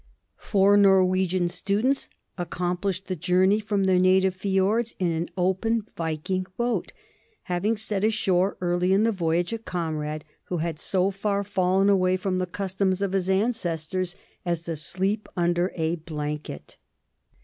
Four Norwegian students accomplished the journey from their native fjords in an open Viking boat, having set ashore early in the voyage a comrade who had so far fallen away from the customs of his ancestors as to sleep under a blanket.